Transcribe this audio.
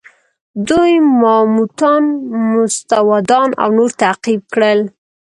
دوی ماموتان، ماستودان او نور تعقیب کړل.